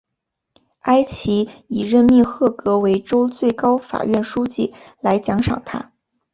埃奇以任命赫格为州最高法院书记来奖赏他。